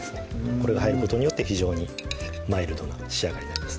これが入ることによって非常にマイルドな仕上がりになります